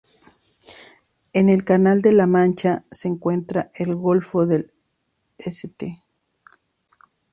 En el canal de la Mancha se encuentra el golfo de St.